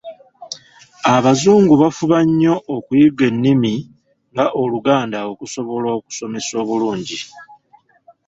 Abazungu bafuba nnyo okuyiga ennimi nga Oluganda okusobola okusomesa obulungi.